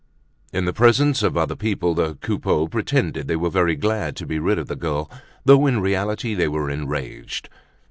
In the presence of other people the Coupeaus pretended they were very glad to be rid of the girl, though in reality they were enraged.